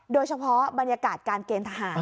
โดยเฉพาะบรรยากาศการเกณฑ์ทหาร